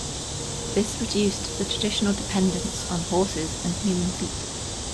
This reduced the traditional dependence on horses and human feet.